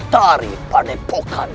dari pada epokan